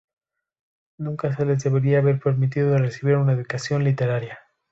Nunca se les debería haber permitido recibir una educación literaria.